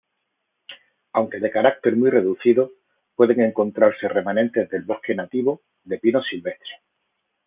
Aunque de carácter muy reducido, pueden encontrarse remanentes del bosque nativo de pinos silvestres.